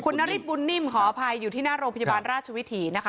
คุณนฤทธบุญนิ่มขออภัยอยู่ที่หน้าโรงพยาบาลราชวิถีนะคะ